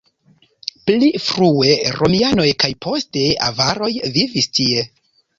Pli frue romianoj kaj poste avaroj vivis tie.